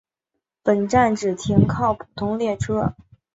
本站只停靠普通列车。